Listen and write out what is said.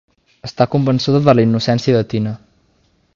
Està convençuda de la innocència de Tina.